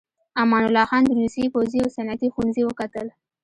امان الله خان د روسيې پوځي او صنعتي ښوونځي وکتل.